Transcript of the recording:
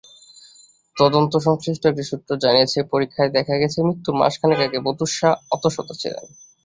তদন্ত-সংশ্লিষ্ট একটি সূত্র জানিয়েছে, পরীক্ষায় দেখা গেছে, মৃত্যুর মাসখানেক আগে প্রত্যুষা অন্তঃসত্ত্বা ছিলেন।